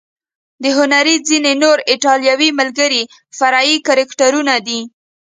د هنري ځینې نور ایټالوي ملګري فرعي کرکټرونه دي.